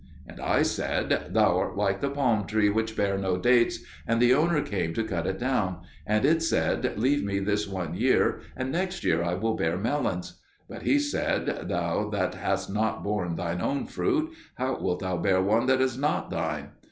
And I said, "Thou art like the palm tree which bare no dates, and the owner came to cut it down; and it said, 'Leave me this one year, and next year I will bear melons.' But he said, 'Thou that hast not borne thine own fruit, how wilt thou bear one that is not thine?'